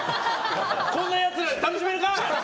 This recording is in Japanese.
こんなやつらで楽しめるか！